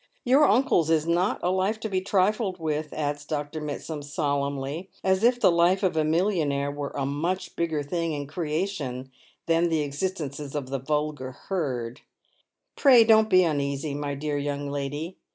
Your uncle's is not a life to be trifled with." adds Dr. Mitsand, solemnly, as if the life of a millionaire were a much bigger thing in creation than the existences of the vulgar herd. " Pray doiVt be uneasy, my dear young lady.